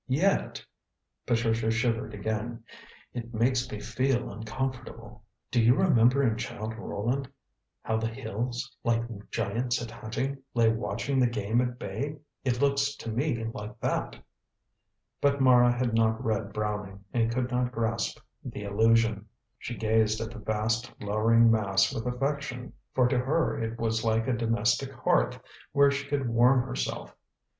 Yet," Patricia shivered again, "it makes me feel uncomfortable. Do you remember in 'Childe Roland,' how the hills, like giants at hunting, lay watching the game at bay. It looks to me like that." But Mara had not read Browning, and could not grasp the allusion. She gazed at the vast, lowering mass with affection, for to her it was like a domestic hearth where she could warm herself.